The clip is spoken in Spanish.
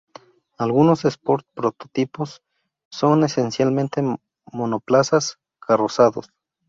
Algunos sport prototipos son esencialmente monoplazas carrozados.